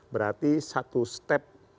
berarti satu step